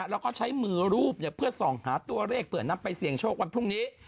แล้วก็ใช้มือรูปเพื่อส่องหาตัวเลขเผื่อนำไปเสี่ยงโชควันพรุ่งนี้